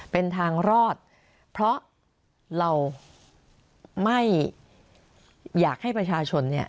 เป็นทางรอดเพราะเราไม่อยากให้ประชาชนเนี่ย